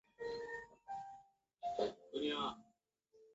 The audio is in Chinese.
霍亨布伦是德国巴伐利亚州的一个市镇。